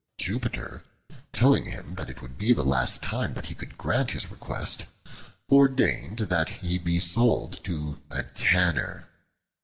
Jupiter, telling him that it would be the last time that he could grant his request, ordained that he be sold to a tanner.